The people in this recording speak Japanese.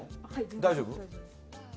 大丈夫？